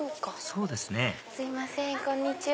そうですねすいませんこんにちは。